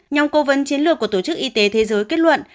nhóm cố vấn chiến lược của tổ chức y tế thế giới kết luận